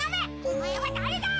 おまえはだれだ！